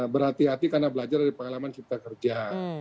berhati hati karena belajar dari pengalaman cipta kerja